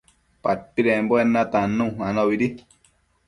padpidembuen natannu anobidi